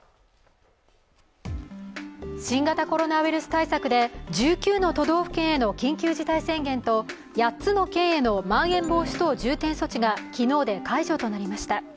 新型コロナウイルス対策で１９の都道府県への緊急事態宣言と８つの県へのまん延防止等重点措置が昨日で解除となりました。